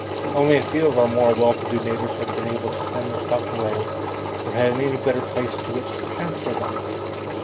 Only a few of our more well to do neighbours had been able to send their stock away, or had any better place to which to transfer them.